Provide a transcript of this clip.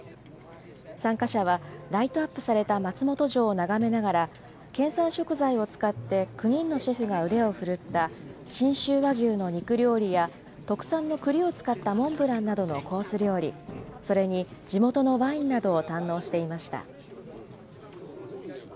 参加者はライトアップされた松本城を眺めながら、県産食材を使って９人のシェフが腕をふるった信州和牛の肉料理や、特産のくりを使ったモンブランなどのコース料理、それに地元のワインなどを堪能していました。